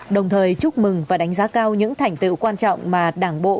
đồng thời chúc mừng và đánh giá cao những thành tựu quan trọng mà đảng bộ